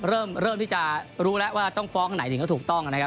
เริ่มที่จะรู้แล้วว่าต้องฟ้องไหนถึงก็ถูกต้องนะครับ